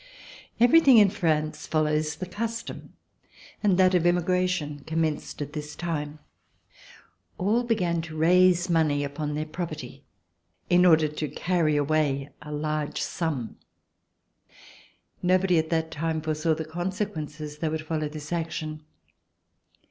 Everything in France follows the custom, and that of emigration commenced at this time. All began to raise money upon their property in order to carry away a large sum. Nobody at that time foresaw the consequences that would follow this action.